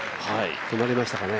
止まりましたかね。